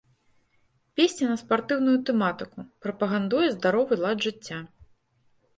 Песня на спартыўную тэматыку, прапагандуе здаровы лад жыцця.